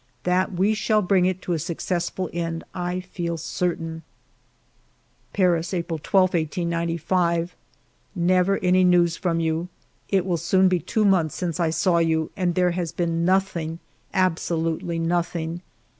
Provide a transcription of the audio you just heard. That we shall bring it to a successful end, I feel certain." ... "Paris, April 12, 1895. " Never any news from you. ... It will soon be two months since I saw you, and there has been nothing, absolutely nothing.